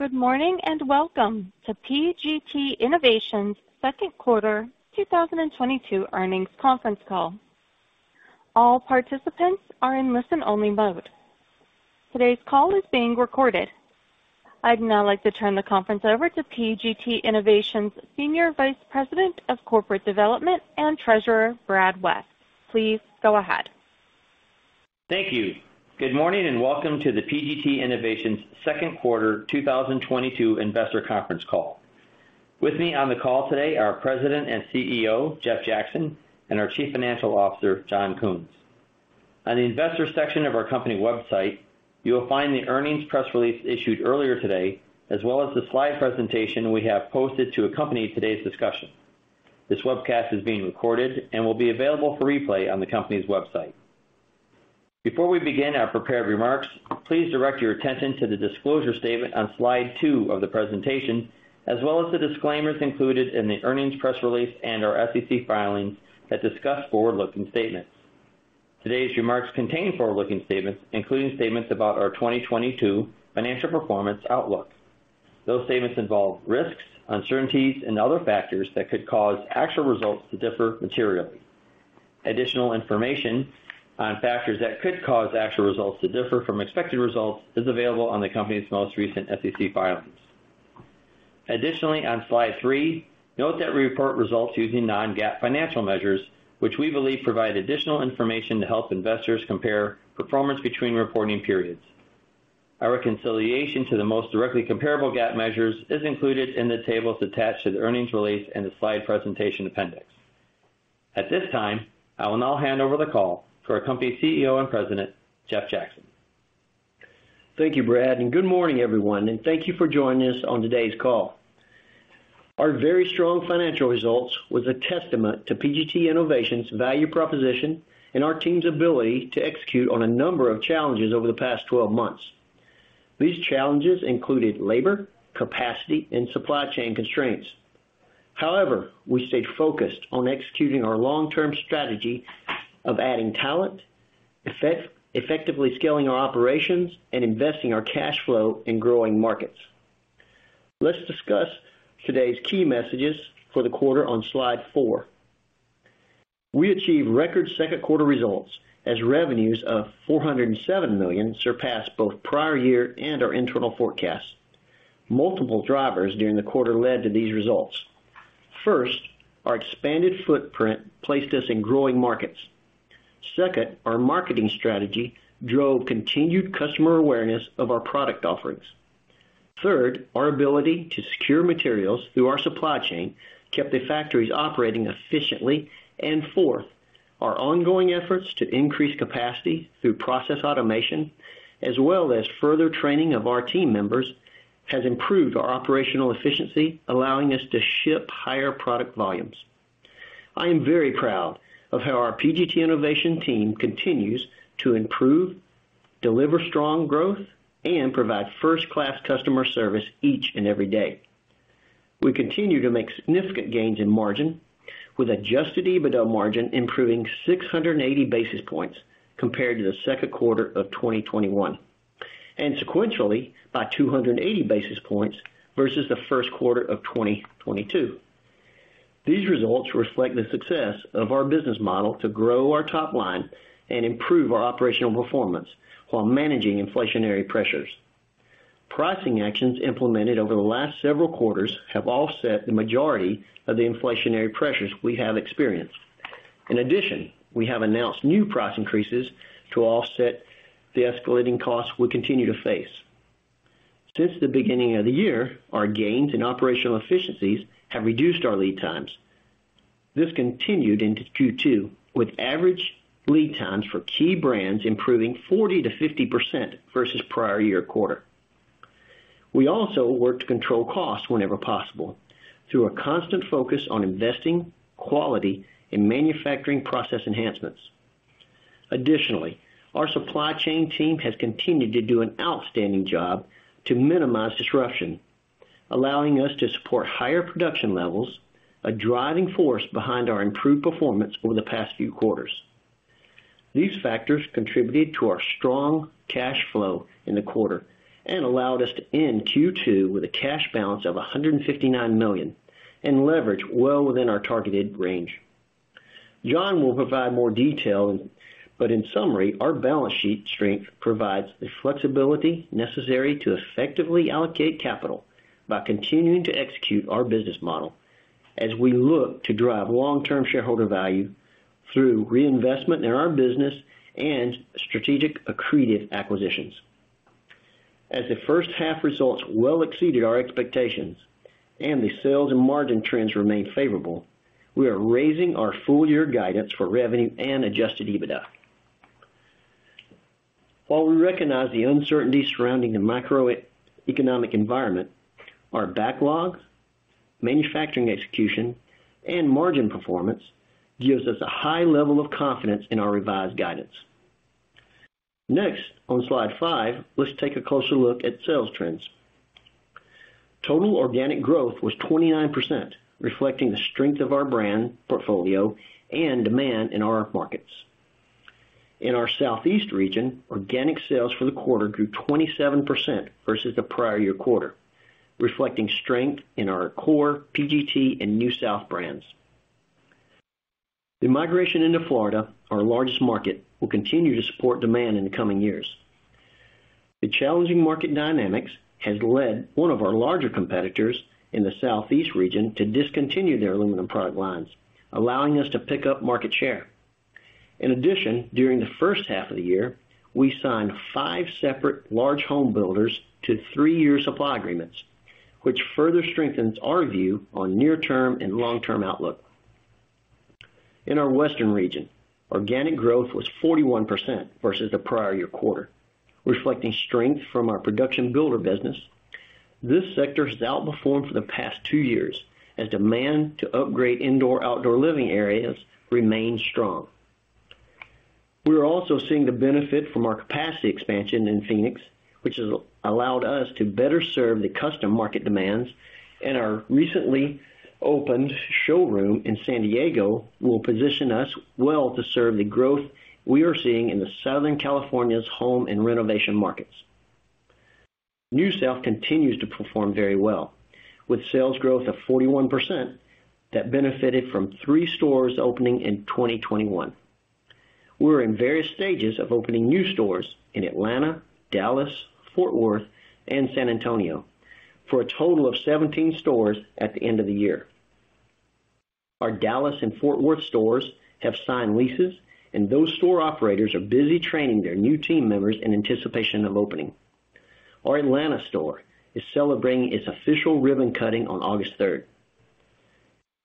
Good morning, and welcome to PGT Innovations' second quarter 2022 earnings conference call. All participants are in listen-only mode. Today's call is being recorded. I'd now like to turn the conference over to PGT Innovations' Senior Vice President of Corporate Development and Treasurer, Brad West. Please go ahead. Thank you. Good morning, and welcome to the PGT Innovations second quarter 2022 investor conference call. With me on the call today are our President and CEO, Jeff Jackson, and our Chief Financial Officer, John Kunz. On the investor section of our company website, you will find the earnings press release issued earlier today, as well as the slide presentation we have posted to accompany today's discussion. This webcast is being recorded and will be available for replay on the company's website. Before we begin our prepared remarks, please direct your attention to the disclosure statement on slide two of the presentation, as well as the disclaimers included in the earnings press release and our SEC filings that discuss forward-looking statements. Today's remarks contain forward-looking statements, including statements about our 2022 financial performance outlook. Those statements involve risks, uncertainties, and other factors that could cause actual results to differ materially. Additional information on factors that could cause actual results to differ from expected results is available on the company's most recent SEC filings. Additionally, on slide three, note that we report results using non-GAAP financial measures, which we believe provide additional information to help investors compare performance between reporting periods. Our reconciliation to the most directly comparable GAAP measures is included in the tables attached to the earnings release and the slide presentation appendix. At this time, I will now hand over the call to our company's CEO and President, Jeff Jackson. Thank you, Brad, and good morning, everyone, and thank you for joining us on today's call. Our very strong financial results was a testament to PGT Innovations' value proposition and our team's ability to execute on a number of challenges over the past 12 months. These challenges included labor, capacity, and supply chain constraints. However, we stayed focused on executing our long-term strategy of adding talent, effectively scaling our operations, and investing our cash flow in growing markets. Let's discuss today's key messages for the quarter on slide four. We achieved record second quarter results as revenues of $407 million surpassed both prior year and our internal forecast. Multiple drivers during the quarter led to these results. First, our expanded footprint placed us in growing markets. Second, our marketing strategy drove continued customer awareness of our product offerings. Third, our ability to secure materials through our supply chain kept the factories operating efficiently. Fourth, our ongoing efforts to increase capacity through process automation, as well as further training of our team members, has improved our operational efficiency, allowing us to ship higher product volumes. I am very proud of how our PGT Innovations team continues to improve, deliver strong growth, and provide first-class customer service each and every day. We continue to make significant gains in margin with adjusted EBITDA margin improving 680 basis points compared to the second quarter of 2021, and sequentially by 280 basis points versus the first quarter of 2022. These results reflect the success of our business model to grow our top line and improve our operational performance while managing inflationary pressures. Pricing actions implemented over the last several quarters have offset the majority of the inflationary pressures we have experienced. In addition, we have announced new price increases to offset the escalating costs we continue to face. Since the beginning of the year, our gains in operational efficiencies have reduced our lead times. This continued into Q2, with average lead times for key brands improving 40%-50% versus prior year quarter. We also work to control costs whenever possible through a constant focus on investing, quality, and manufacturing process enhancements. Additionally, our supply chain team has continued to do an outstanding job to minimize disruption, allowing us to support higher production levels, a driving force behind our improved performance over the past few quarters. These factors contributed to our strong cash flow in the quarter and allowed us to end Q2 with a cash balance of $159 million and leverage well within our targeted range. John will provide more detail, but in summary, our balance sheet strength provides the flexibility necessary to effectively allocate capital by continuing to execute our business model as we look to drive long-term shareholder value through reinvestment in our business and strategic accretive acquisitions. As the first half results well exceeded our expectations and the sales and margin trends remain favorable, we are raising our full year guidance for revenue and adjusted EBITDA. While we recognize the uncertainty surrounding the macroeconomic environment, our backlog, manufacturing execution, and margin performance gives us a high level of confidence in our revised guidance. Next, on slide five, let's take a closer look at sales trends. Total organic growth was 29%, reflecting the strength of our brand portfolio and demand in our markets. In our Southeast region, organic sales for the quarter grew 27% versus the prior year quarter, reflecting strength in our core PGT and NewSouth brands. The migration into Florida, our largest market, will continue to support demand in the coming years. The challenging market dynamics has led one of our larger competitors in the Southeast region to discontinue their aluminum product lines, allowing us to pick up market share. In addition, during the first half of the year, we signed five separate large home builders to three-year supply agreements, which further strengthens our view on near-term and long-term outlook. In our Western region, organic growth was 41% versus the prior year quarter, reflecting strength from our production builder business. This sector has outperformed for the past two years as demand to upgrade indoor-outdoor living areas remains strong. We are also seeing the benefit from our capacity expansion in Phoenix, which has allowed us to better serve the custom market demands, and our recently opened showroom in San Diego will position us well to serve the growth we are seeing in Southern California's home and renovation markets. NewSouth continues to perform very well, with sales growth of 41% that benefited from three stores opening in 2021. We're in various stages of opening new stores in Atlanta, Dallas, Fort Worth, and San Antonio for a total of 17 stores at the end of the year. Our Dallas and Fort Worth stores have signed leases, and those store operators are busy training their new team members in anticipation of opening. Our Atlanta store is celebrating its official ribbon cutting on August third.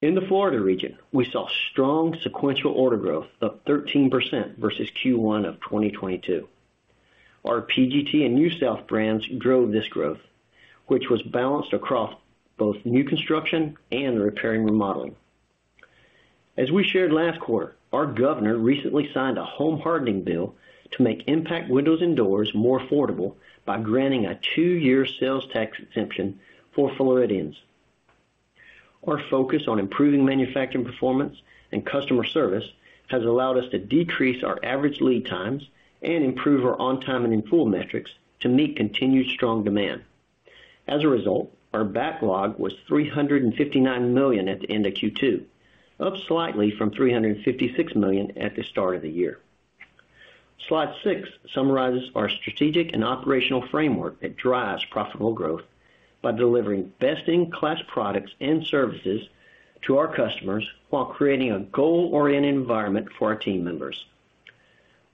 In the Florida region, we saw strong sequential order growth of 13% versus Q1 of 2022. Our PGT and NewSouth brands drove this growth, which was balanced across both new construction and repair and remodeling. As we shared last quarter, our governor recently signed a Home Hardening bill to make impact windows and doors more affordable by granting a two-year sales tax exemption for Floridians. Our focus on improving manufacturing performance and customer service has allowed us to decrease our average lead times and improve our on-time and in-full metrics to meet continued strong demand. As a result, our backlog was $359 million at the end of Q2, up slightly from $356 million at the start of the year. Slide six summarizes our strategic and operational framework that drives profitable growth by delivering best-in-class products and services to our customers while creating a goal-oriented environment for our team members.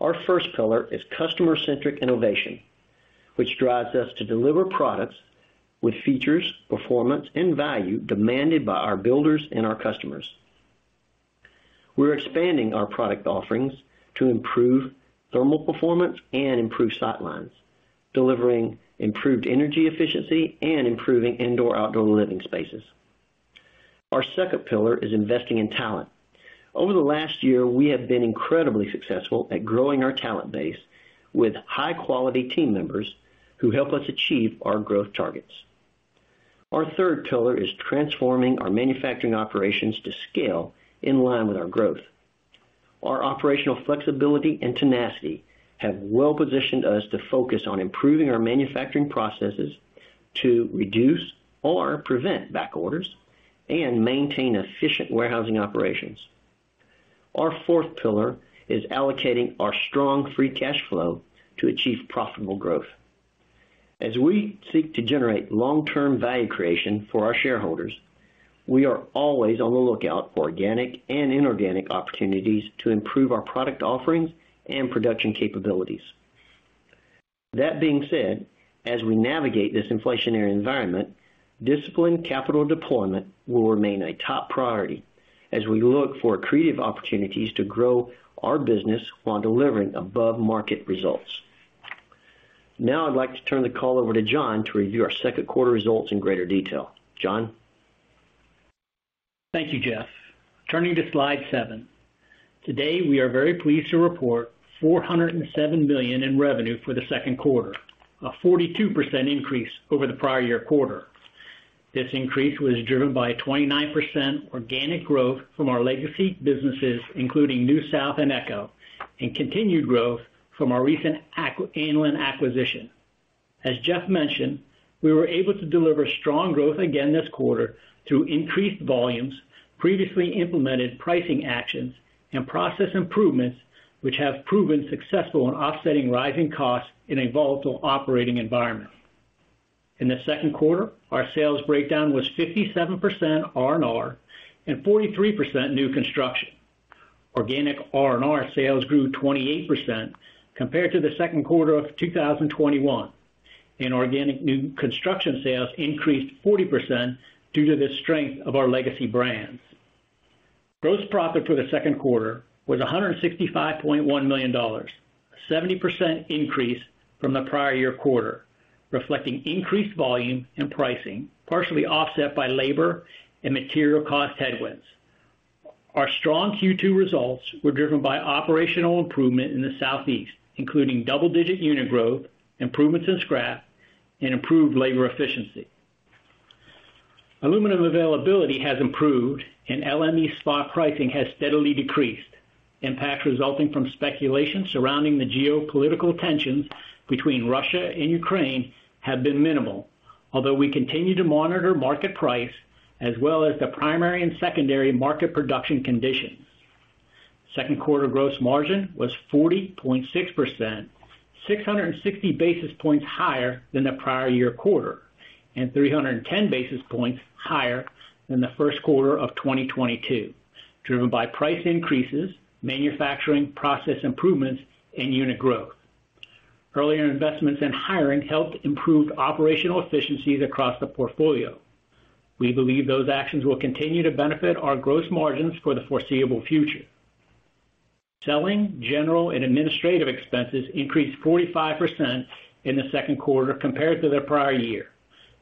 Our first pillar is customer-centric innovation, which drives us to deliver products with features, performance, and value demanded by our builders and our customers. We're expanding our product offerings to improve thermal performance and improve sightlines, delivering improved energy efficiency and improving indoor-outdoor living spaces. Our second pillar is investing in talent. Over the last year, we have been incredibly successful at growing our talent base with high-quality team members who help us achieve our growth targets. Our third pillar is transforming our manufacturing operations to scale in line with our growth. Our operational flexibility and tenacity have well-positioned us to focus on improving our manufacturing processes to reduce or prevent back orders and maintain efficient warehousing operations. Our fourth pillar is allocating our strong free cash flow to achieve profitable growth. As we seek to generate long-term value creation for our shareholders, we are always on the lookout for organic and inorganic opportunities to improve our product offerings and production capabilities. That being said, as we navigate this inflationary environment, disciplined capital deployment will remain a top priority as we look for creative opportunities to grow our business while delivering above-market results. Now I'd like to turn the call over to John to review our second quarter results in greater detail. John? Thank you, Jeff. Turning to slide seven. Today, we are very pleased to report $407 million in revenue for the second quarter, a 42% increase over the prior year quarter. This increase was driven by a 29% organic growth from our legacy businesses, including NewSouth and Eco, and continued growth from our recent Anlin acquisition. As Jeff mentioned, we were able to deliver strong growth again this quarter through increased volumes, previously implemented pricing actions, and process improvements, which have proven successful in offsetting rising costs in a volatile operating environment. In the second quarter, our sales breakdown was 57% R&R and 43% new construction. Organic R&R sales grew 28% compared to the second quarter of 2021, and organic new construction sales increased 40% due to the strength of our legacy brands. Gross profit for the second quarter was $165.1 million, a 70% increase from the prior year quarter, reflecting increased volume and pricing, partially offset by labor and material cost headwinds. Our strong Q2 results were driven by operational improvement in the Southeast, including double-digit unit growth, improvements in scrap, and improved labor efficiency. Aluminum availability has improved and LME spot pricing has steadily decreased. Impact resulting from speculation surrounding the geopolitical tensions between Russia and Ukraine have been minimal, although we continue to monitor market price as well as the primary and secondary market production conditions. Second quarter gross margin was 40.6%, 660 basis points higher than the prior year quarter, and 310 basis points higher than the first quarter of 2022, driven by price increases, manufacturing process improvements, and unit growth. Earlier investments in hiring helped improve operational efficiencies across the portfolio. We believe those actions will continue to benefit our gross margins for the foreseeable future. Selling, general, and administrative expenses increased 45% in the second quarter compared to the prior year,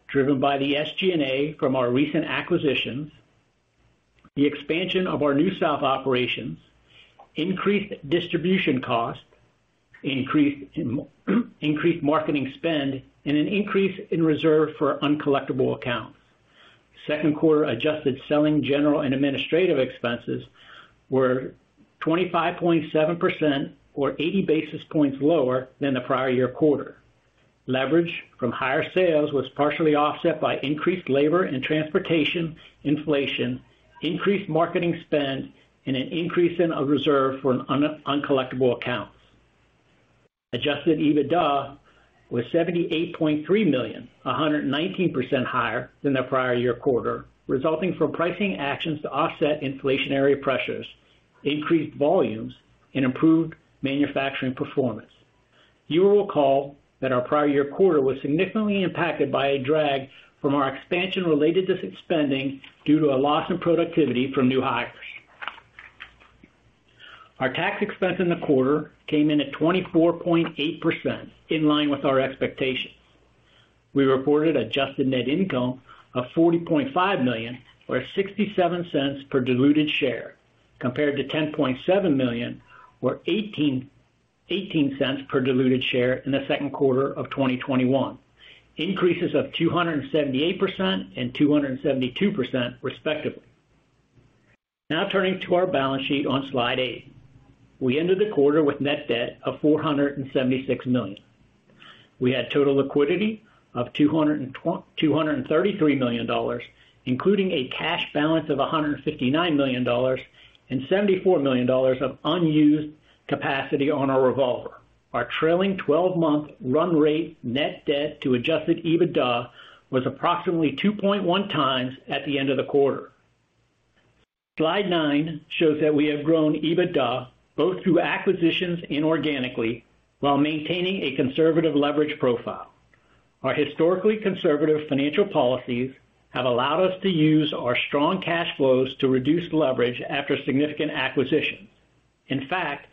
driven by the SG&A from our recent acquisitions, the expansion of our NewSouth operations, increased distribution costs, increased marketing spend, and an increase in reserve for uncollectible accounts. Second quarter adjusted selling, general, and administrative expenses were 25.7% or 80 basis points lower than the prior year quarter. Leverage from higher sales was partially offset by increased labor and transportation inflation, increased marketing spend, and an increase in a reserve for uncollectible accounts. Adjusted EBITDA was $78.3 million, 119% higher than the prior year quarter, resulting from pricing actions to offset inflationary pressures, increased volumes, and improved manufacturing performance. You will recall that our prior year quarter was significantly impacted by a drag from our expansion related to spending due to a loss in productivity from new hires. Our tax expense in the quarter came in at 24.8% in line with our expectations. We reported adjusted net income of $40.5 million or $0.67 per diluted share, compared to $10.7 million or $0.18 per diluted share in the second quarter of 2021. Increases of 278% and 272% respectively. Now turning to our balance sheet on slide eight. We ended the quarter with net debt of $476 million. We had total liquidity of $233 million, including a cash balance of $159 million and $74 million of unused capacity on our revolver. Our trailing 12-month run rate net debt to adjusted EBITDA was approximately 2.1 times at the end of the quarter. Slide nine shows that we have grown EBITDA both through acquisitions inorganically while maintaining a conservative leverage profile. Our historically conservative financial policies have allowed us to use our strong cash flows to reduce leverage after significant acquisitions. In fact,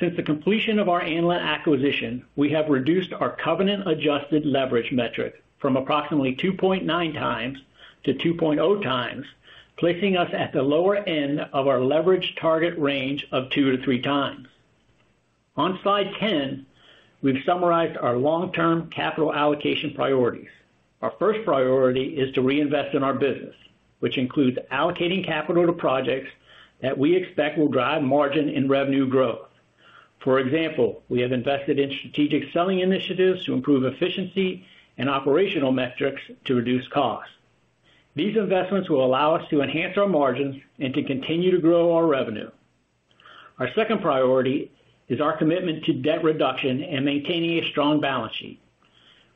since the completion of our Anlin acquisition, we have reduced our covenant adjusted leverage metric from approximately 2.9 times to 2.0 times, placing us at the lower end of our leverage target range of 2-3 times. On slide 10, we've summarized our long-term capital allocation priorities. Our first priority is to reinvest in our business, which includes allocating capital to projects that we expect will drive margin and revenue growth. For example, we have invested in strategic selling initiatives to improve efficiency and operational metrics to reduce costs. These investments will allow us to enhance our margins and to continue to grow our revenue. Our second priority is our commitment to debt reduction and maintaining a strong balance sheet.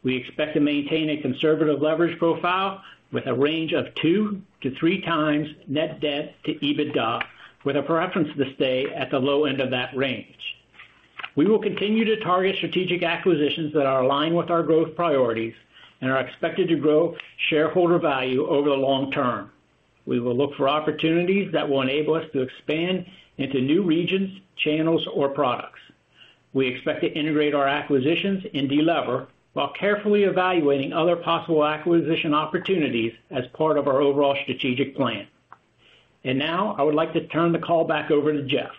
We expect to maintain a conservative leverage profile with a range of 2-3 times net debt to EBITDA, with a preference to stay at the low end of that range. We will continue to target strategic acquisitions that are aligned with our growth priorities and are expected to grow shareholder value over the long term. We will look for opportunities that will enable us to expand into new regions, channels, or products. We expect to integrate our acquisitions and delever while carefully evaluating other possible acquisition opportunities as part of our overall strategic plan. Now I would like to turn the call back over to Jeff.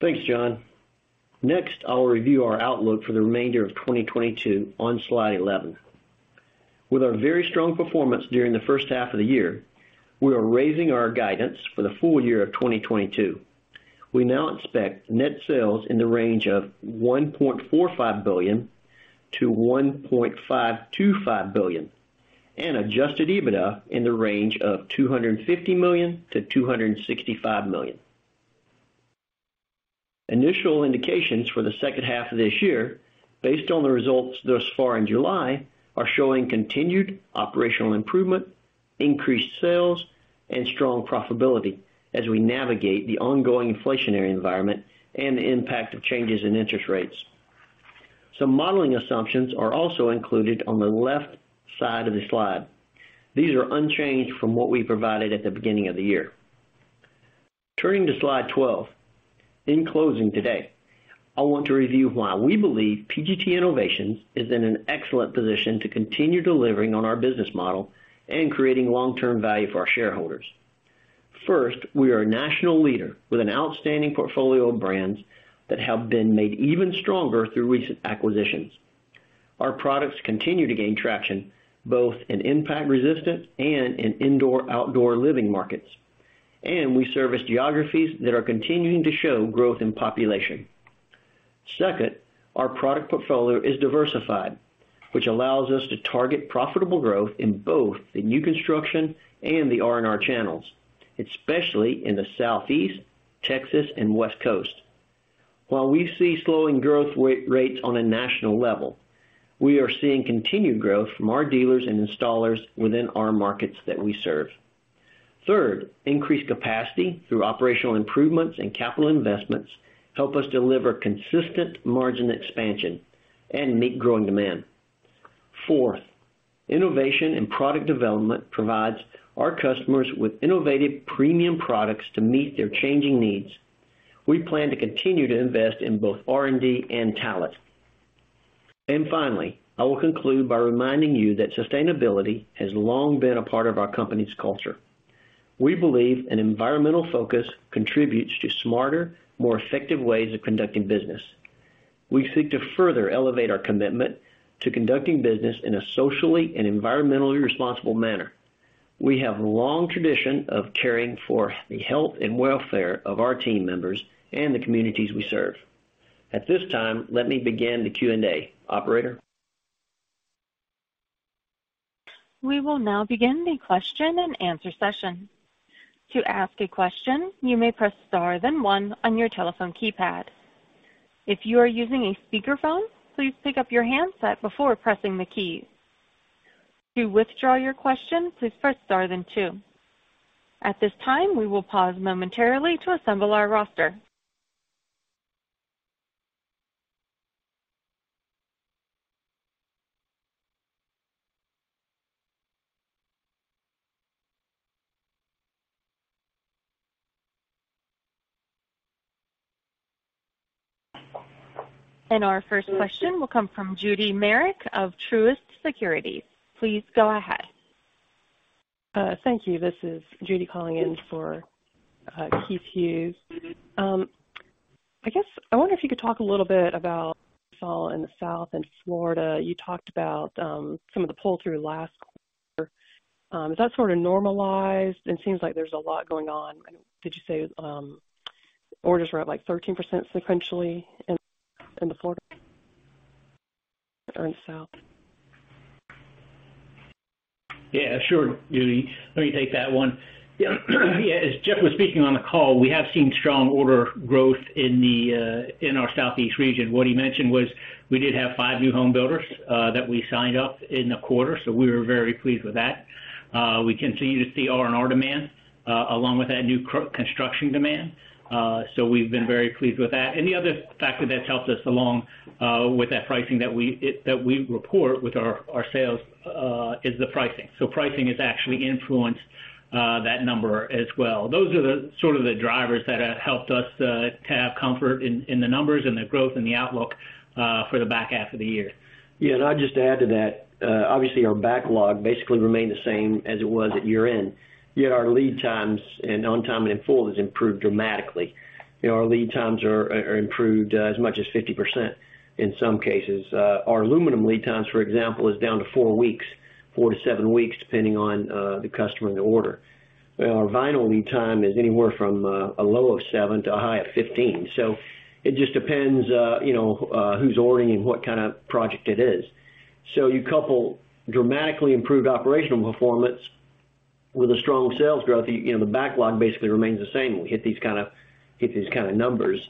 Thanks, John. Next, I will review our outlook for the remainder of 2022 on slide 11. With our very strong performance during the first half of the year, we are raising our guidance for the full year of 2022. We now expect net sales in the range of $1.45 billion-$1.525 billion, and adjusted EBITDA in the range of $250 million-$265 million. Initial indications for the second half of this year, based on the results thus far in July, are showing continued operational improvement, increased sales, and strong profitability as we navigate the ongoing inflationary environment and the impact of changes in interest rates. Some modeling assumptions are also included on the left side of the slide. These are unchanged from what we provided at the beginning of the year. Turning to slide 12. In closing today, I want to review why we believe PGT Innovations is in an excellent position to continue delivering on our business model and creating long-term value for our shareholders. First, we are a national leader with an outstanding portfolio of brands that have been made even stronger through recent acquisitions. Our products continue to gain traction both in impact-resistant and in indoor-outdoor living markets, and we service geographies that are continuing to show growth in population. Second, our product portfolio is diversified, which allows us to target profitable growth in both the new construction and the R&R channels, especially in the Southeast Texas and West Coast. While we see slowing growth rates on a national level, we are seeing continued growth from our dealers and installers within our markets that we serve. Third, increased capacity through operational improvements and capital investments help us deliver consistent margin expansion and meet growing demand. Fourth, innovation and product development provides our customers with innovative premium products to meet their changing needs. We plan to continue to invest in both R&D and talent. Finally, I will conclude by reminding you that sustainability has long been a part of our company's culture. We believe an environmental focus contributes to smarter, more effective ways of conducting business. We seek to further elevate our commitment to conducting business in a socially and environmentally responsible manner. We have a long tradition of caring for the health and welfare of our team members and the communities we serve. At this time, let me begin the Q&A. Operator? We will now begin the question-and-answer session. To ask a question, you may press star, then one on your telephone keypad. If you are using a speakerphone, please pick up your handset before pressing the key. To withdraw your question, please press star then two. At this time, we will pause momentarily to assemble our roster. Our first question will come from Judy Merrick of Truist Securities. Please go ahead. Thank you. This is Judy calling in for Keith Hughes. I guess I wonder if you could talk a little bit about pull in the South and Florida. You talked about some of the pull through last quarter. Has that sort of normalized? It seems like there's a lot going on. Did you say orders were up, like, 13% sequentially in Florida or in the South? Yeah, sure, Judy. Let me take that one. As Jeff was speaking on the call, we have seen strong order growth in our Southeast region. What he mentioned was we did have five new home builders that we signed up in the quarter, so we were very pleased with that. We continue to see R&R demand along with that new construction demand. So we've been very pleased with that. The other factor that's helped us along with that pricing that we report with our sales is the pricing. So pricing has actually influenced that number as well. Those are the sort of drivers that have helped us to have comfort in the numbers and the growth and the outlook for the back half of the year. Yes, I'll just add to that. Obviously our backlog basically remained the same as it was at year-end, yet our lead times and on time and in full has improved dramatically. Our lead times are improved as much as 50% in some cases. Our aluminum lead times, for example, is down to four weeks, four to seven weeks, depending on the customer and the order. Our vinyl lead time is anywhere from a low of 7 to a high of 15. It just depends, you know, who's ordering and what kind of project it is. You couple dramatically improved operational performance with a strong sales growth, you know, the backlog basically remains the same when we hit these kind of numbers.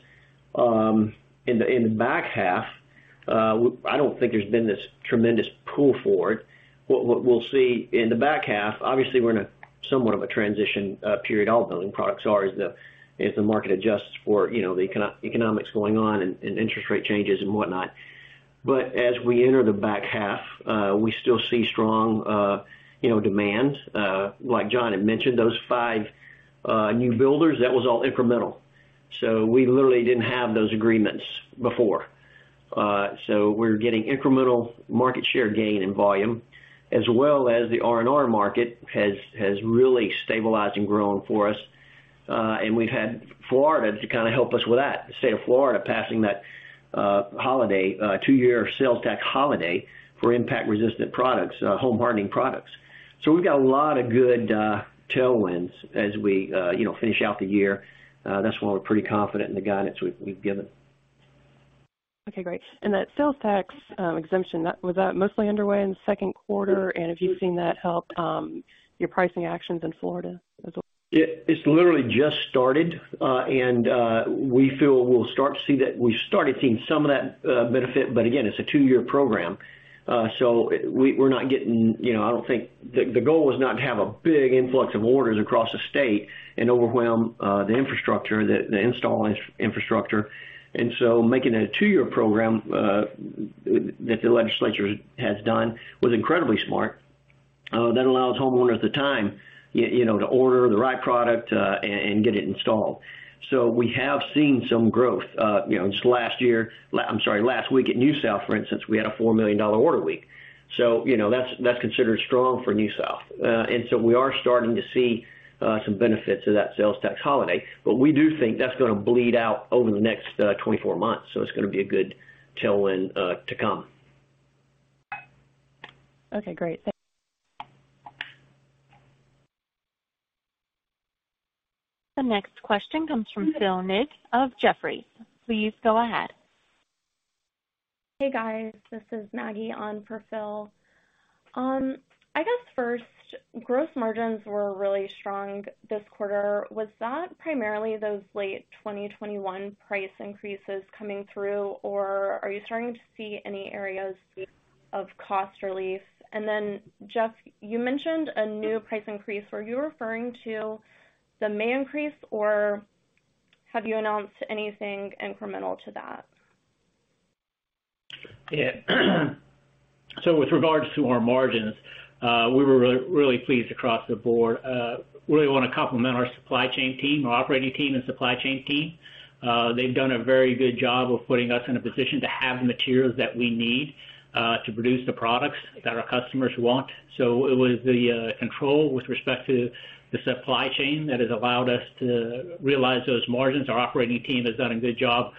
In the back half, I don't think there's been this tremendous pull forward. What we'll see in the back half, obviously we're in somewhat of a transition period. All building products are as the market adjusts for, you know, the economics going on and interest rate changes and whatnot. As we enter the back half, we still see strong, you know, demand. Like John had mentioned, those five new builders, that was all incremental, so we literally didn't have those agreements before. We're getting incremental market share gain and volume as well as the R&R market has really stabilized and grown for us. We've had Florida to kind of help us with that. The state of Florida passing that holiday two-year sales tax holiday for impact-resistant products, home-hardening products. We've got a lot of good tailwinds as we you know finish out the year. That's why we're pretty confident in the guidance we've given. Okay, great. That sales tax exemption was that mostly underway in the second quarter? Have you seen that help your pricing actions in Florida as well? It's literally just started. We feel we'll start to see that we started seeing some of that benefit. Again, it's a two-year program. We're not getting, you know, I don't think the goal was not to have a big influx of orders across the state and overwhelm the installation infrastructure. Making it a two-year program that the legislature has done was incredibly smart. That allows homeowners the time, you know, to order the right product and get it installed. We have seen some growth. You know, just last week at NewSouth, for instance, we had a $4 million order week. That's considered strong for NewSouth. We are starting to see some benefits of that sales tax holiday. We do think that's gonna bleed out over the next 24 months, so it's gonna be a good tailwind to come. Okay, great. The next question comes from Phil Ng of Jefferies. Please go ahead. Hey, guys. This is Maggie on for Phil. I guess first, gross margins were really strong this quarter. Was that primarily those late 2021 price increases coming through, or are you starting to see any areas of cost relief? Jeff, you mentioned a new price increase. Were you referring to the May increase or have you announced anything incremental to that? Yeah. With regards to our margins, we were really pleased across the board. Really wanna compliment our supply chain team, our operating team and supply chain team. They've done a very good job of putting us in a position to have materials that we need to produce the products that our customers want. It was the control with respect to the supply chain that has allowed us to realize those margins. Our operating team has done a good job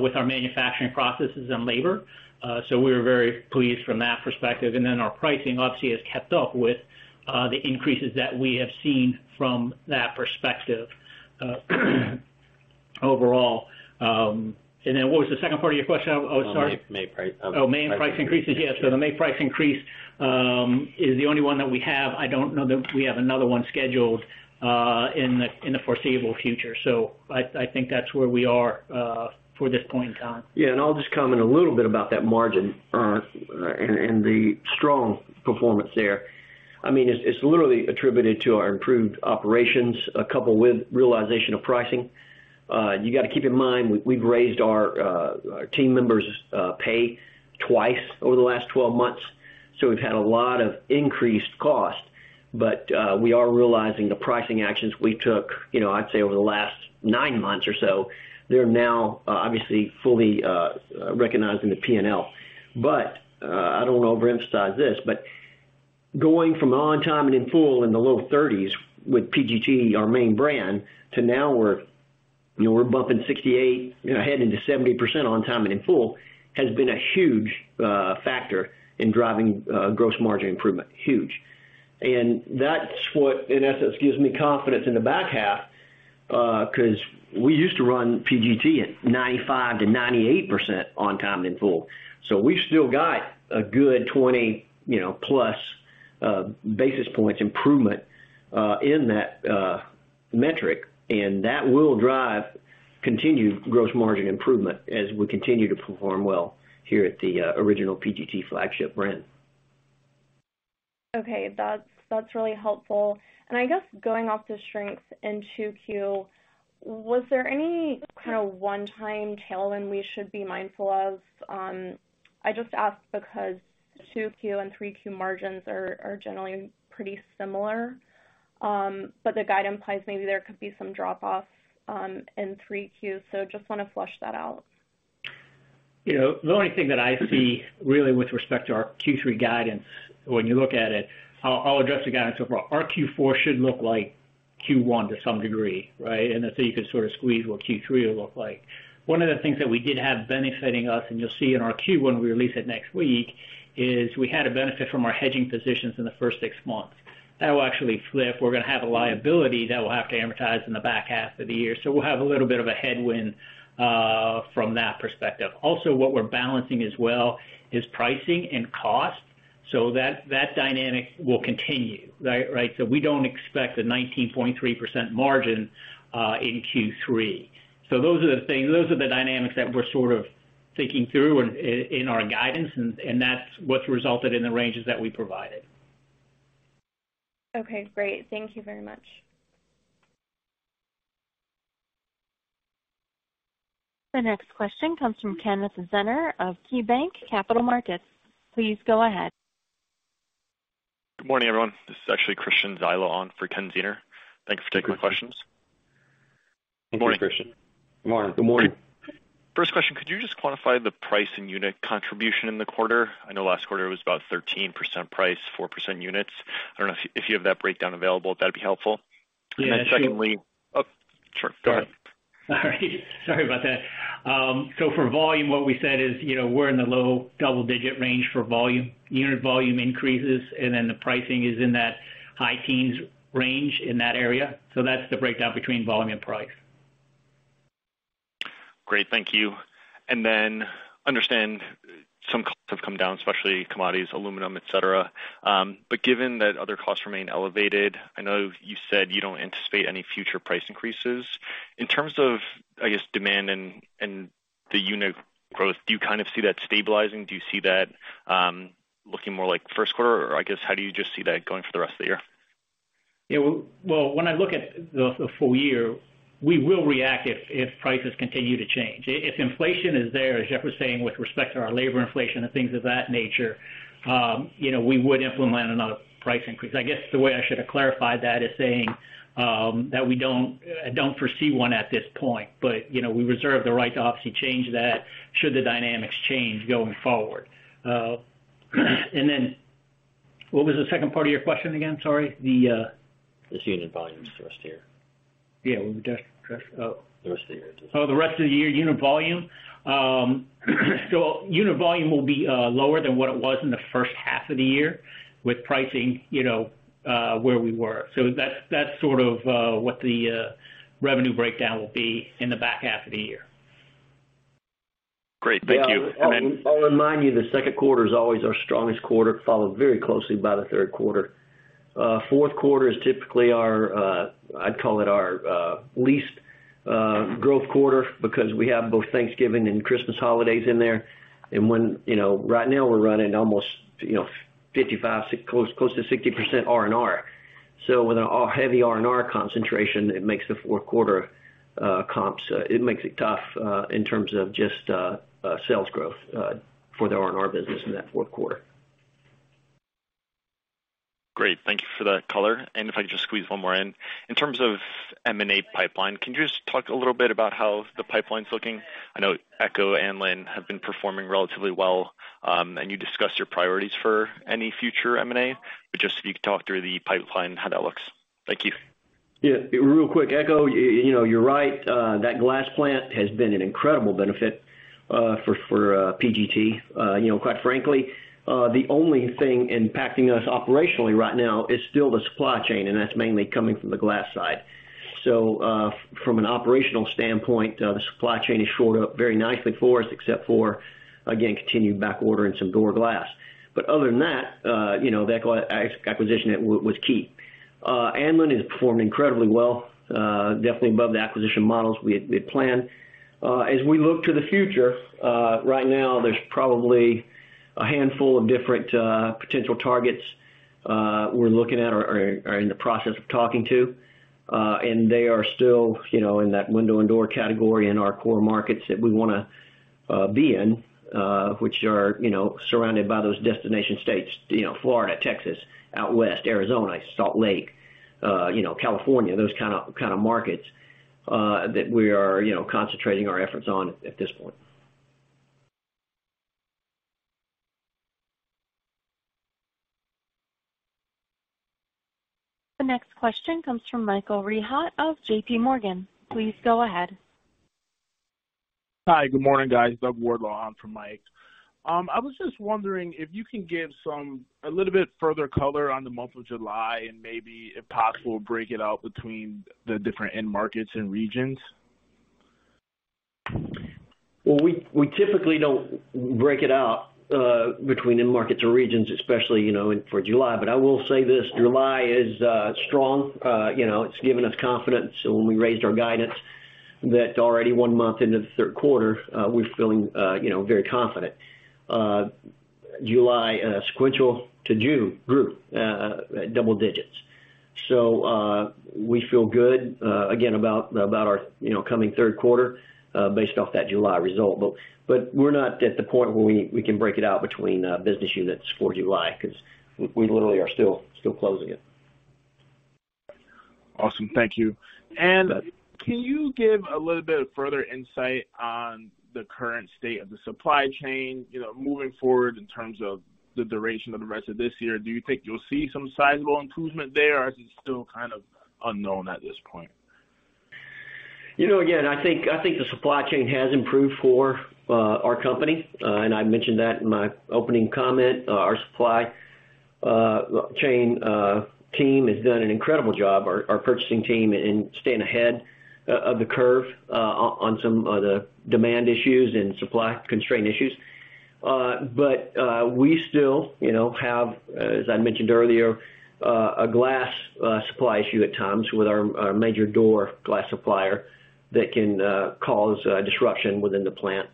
with our manufacturing processes and labor, so we're very pleased from that perspective. Then our pricing obviously has kept up with the increases that we have seen from that perspective, overall. What was the second part of your question? Oh, sorry. May price. Oh, May price increases. Yes. The May price increase is the only one that we have. I don't know that we have another one scheduled in the foreseeable future. I think that's where we are for this point in time. I'll just comment a little bit about that margin, and the strong performance there. I mean, it's literally attributed to our improved operations coupled with realization of pricing. You gotta keep in mind, we've raised our team members' pay twice over the last 12 months, so we've had a lot of increased cost. We are realizing the pricing actions we took, you know, I'd say over the last nine months or so, they're now obviously fully recognized in the P&L. I don't wanna overemphasize this, but going from on time and in full in the low 30s% with PGT, our main brand, to now we're, you know, bumping 68%, you know, heading to 70% on time and in full, has been a huge factor in driving gross margin improvement. Huge. That's what, in essence, gives me confidence in the back half, 'cause we used to run PGT at 95%-98% on time and in full. We've still got a good 20, you know, plus basis points improvement in that metric, and that will drive continued gross margin improvement as we continue to perform well here at the original PGT flagship brand. Okay. That's really helpful. I guess going off the strength in 2Q, was there any kind of one-time tailwind we should be mindful of? I just ask because 2Q and 3Q margins are generally pretty similar. But the guide implies maybe there could be some drop off in 3Q. Just wanna flush that out. You know, the only thing that I see really with respect to our Q3 guidance, when you look at it, I'll address the guidance so far. Our Q4 should look like Q1 to some degree, right? You could sort of squeeze what Q3 will look like. One of the things that we did have benefiting us, and you'll see in our 10-Q when we release it next week, is we had a benefit from our hedging positions in the first six months. That will actually flip. We're gonna have a liability that we'll have to amortize in the back half of the year. We'll have a little bit of a headwind from that perspective. Also, what we're balancing as well is pricing and cost. That dynamic will continue, right? Right? We don't expect a 19.3% margin in Q3. Those are the things, those are the dynamics that we're sort of thinking through in our guidance, and that's what's resulted in the ranges that we provided. Okay, great. Thank you very much. The next question comes from Kenneth Zener of KeyBanc Capital Markets. Please go ahead. Good morning, everyone. This is actually Christian Zyla on for Kenneth Zener. Thanks for taking my questions. Good morning. Thanks, Christian. Good morning. First question, could you just quantify the price and unit contribution in the quarter? I know last quarter was about 13% price, 4% units. I don't know if you, if you have that breakdown available, that'd be helpful. Yeah, sure. Secondly. Oh, sure. Go ahead. All right. Sorry about that. For volume, what we said is, you know, we're in the low double-digit range for volume. Unit volume increases, and then the pricing is in that high-teens range in that area. That's the breakdown between volume and price. Great. Thank you. Understand some costs have come down, especially commodities, aluminum, et cetera. Given that other costs remain elevated, I know you said you don't anticipate any future price increases. In terms of, I guess, demand and the unit growth, do you kind of see that stabilizing? Do you see that looking more like first quarter? Or I guess, how do you just see that going for the rest of the year? Yeah. Well, when I look at the full year, we will react if prices continue to change. If inflation is there, as Jeff was saying, with respect to our labor inflation and things of that nature, you know, we would implement another price increase. I guess the way I should have clarified that is saying that we don't foresee one at this point, but you know, we reserve the right to obviously change that should the dynamics change going forward. And then what was the second part of your question again? Sorry. Just unit volumes the rest of the year. Yeah. Oh. The rest of the year. Oh, the rest of the year unit volume. Unit volume will be lower than what it was in the first half of the year with pricing, you know, where we were. That's sort of what the revenue breakdown will be in the back half of the year. Great. Thank you. Yeah. I'll remind you the second quarter is always our strongest quarter, followed very closely by the third quarter. Fourth quarter is typically our, I'd call it our, least growth quarter because we have both Thanksgiving and Christmas holidays in there. You know, right now we're running almost, you know, 55, close to 60% R&R. With a heavy R&R concentration, it makes the fourth quarter comps tough in terms of just sales growth for the R&R business in that fourth quarter. Great. Thank you for that color. If I could just squeeze one more in. In terms of M&A pipeline, can you just talk a little bit about how the pipeline's looking? I know Eco and Anlin have been performing relatively well, and you discussed your priorities for any future M&A, but just if you could talk through the pipeline, how that looks. Thank you. Yeah. Real quick. Eco, you know, you're right. That glass plant has been an incredible benefit for PGT. You know, quite frankly, the only thing impacting us operationally right now is still the supply chain, and that's mainly coming from the glass side. From an operational standpoint, the supply chain has showed up very nicely for us, except for, again, continued backorder in some door glass. But other than that, you know, the acquisition that was key. Anlin has performed incredibly well, definitely above the acquisition models we had planned. As we look to the future, right now there's probably a handful of different potential targets we're looking at or are in the process of talking to. They are still, you know, in that window and door category in our core markets that we wanna be in, which are, you know, surrounded by those destination states, you know, Florida, Texas, out west, Arizona, Salt Lake, you know, California, those kinda markets that we are, you know, concentrating our efforts on at this point. The next question comes from Michael Rehaut of JPMorgan. Please go ahead. Hi. Good morning, guys. Doug Wardlaw on for Mike. I was just wondering if you can give a little bit further color on the month of July and maybe, if possible, break it out between the different end markets and regions. Well, we typically don't break it out between end markets or regions, especially you know in for July. I will say this, July is strong. You know, it's given us confidence when we raised our guidance that already one month into the third quarter, we're feeling you know very confident. July sequential to June grew double digits. We feel good again about our coming third quarter based off that July result. We're not at the point where we can break it out between business units for July 'cause we literally are still closing it. Awesome. Thank you. You bet. Can you give a little bit of further insight on the current state of the supply chain, you know, moving forward in terms of the duration of the rest of this year? Do you think you'll see some sizable improvement there or is it still kind of unknown at this point? You know, again, I think the supply chain has improved for our company, and I mentioned that in my opening comment. Our supply chain team has done an incredible job, our purchasing team in staying ahead of the curve on some of the demand issues and supply constraint issues. We still, you know, have, as I mentioned earlier, a glass supply issue at times with our major door glass supplier that can cause disruption within the plant.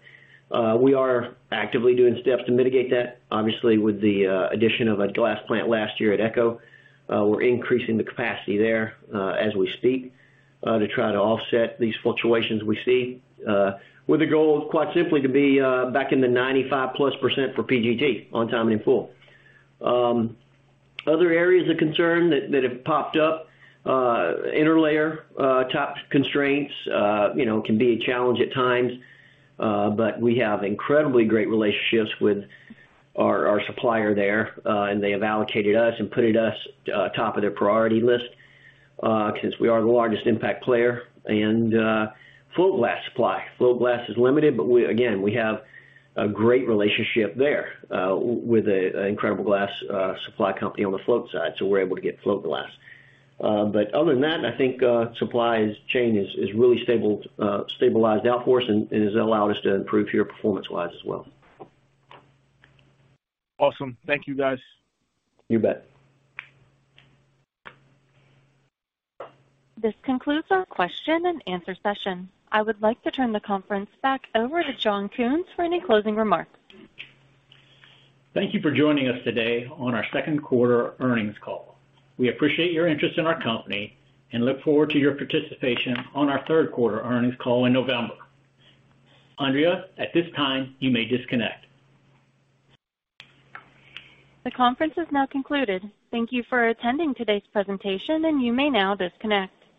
We are actively doing steps to mitigate that. Obviously, with the addition of a glass plant last year at Eco, we're increasing the capacity there, as we speak, to try to offset these fluctuations we see, with the goal quite simply to be back in the 95%+ for PGT on time and in full. Other areas of concern that have popped up, interlayer tight constraints, you know, can be a challenge at times. But we have incredibly great relationships with our supplier there, and they have allocated us and put us top of their priority list, since we are the largest impact player. Float glass supply. Float glass is limited, but we again have a great relationship there with an incredible glass supply company on the float side, so we're able to get float glass. Other than that, I think supply chain is really stabilized out for us and has allowed us to improve our performance-wise as well. Awesome. Thank you, guys. You bet. This concludes our question and answer session. I would like to turn the conference back over to John Kunz for any closing remarks. Thank you for joining us today on our second quarter earnings call. We appreciate your interest in our company and look forward to your participation on our third quarter earnings call in November. Andrea, at this time, you may disconnect. The conference is now concluded. Thank you for attending today's presentation, and you may now disconnect.